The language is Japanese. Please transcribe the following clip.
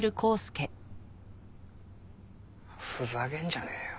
ふざけんじゃねえよ。